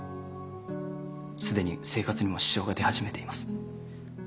すでに生活にも支障が出始めています。